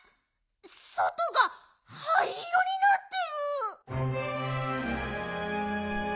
そとがはいいろになってる！